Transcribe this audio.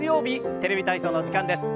「テレビ体操」の時間です。